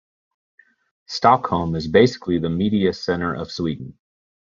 Stockholm is basically the media center of Sweden.